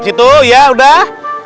situ ya udah